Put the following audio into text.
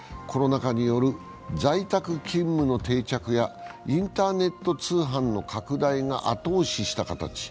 コロナ禍による在宅勤務の定着やインターネット通販の拡大が後押しした形。